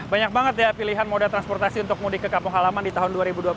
banyak banget ya pilihan moda transportasi untuk mudik ke kampung halaman di tahun dua ribu dua puluh satu